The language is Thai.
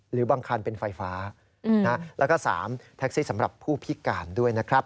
หรือบางคันเป็นไฟฟ้าแล้วก็๓แท็กซี่สำหรับผู้พิการด้วยนะครับ